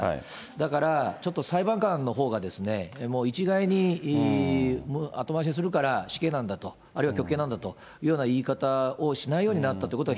だから、ちょっと裁判官のほうが、もう一概に後回しにするから死刑なんだと、あるいは極刑なんだという言い方をしないようになったというのが